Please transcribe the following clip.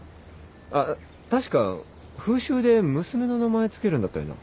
あっ確か風習で娘の名前付けるんだったよな？